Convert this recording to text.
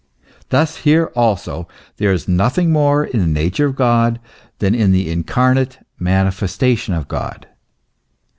Thtfs here also there is nothing more in the nature of God than in the incarnate manifestation of God.